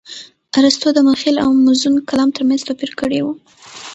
ارستو د مخيل او موزون کلام ترمنځ توپير کړى و.